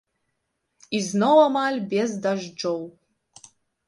І зноў амаль без дажджоў.